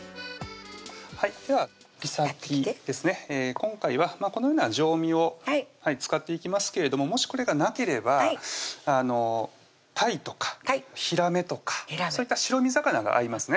今回はこのような上身を使っていきますけれどももしこれがなければたいとかひらめとかそういった白身魚が合いますね